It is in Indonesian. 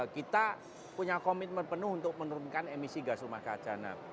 kita punya komitmen penuh untuk menurunkan emisi gas rumah kaca